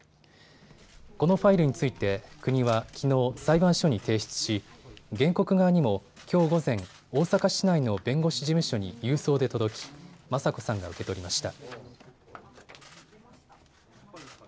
このファイルについて国はきのう裁判所に提出し原告側にも、きょう午前大阪市内の弁護士事務所に郵送で届き雅子さんが受け取りました。